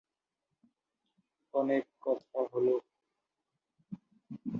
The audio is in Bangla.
ত্রিপুরা নামের উৎপত্তি সম্বন্ধে চার ধরণের মত প্রচলিত আছে।